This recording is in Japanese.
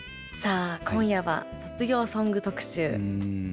さあ今夜は卒業ソング特集。